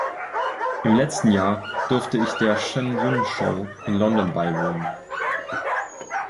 Im letzten Jahr durfte ich der Shen Yun-Show in London beiwohnen.